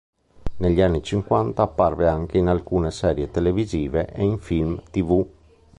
Negli anni cinquanta, apparve anche in alcune serie televisive e in film tv.